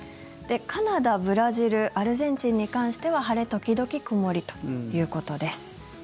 カナダ、ブラジルアルゼンチンに関しては晴れ時々曇りということです。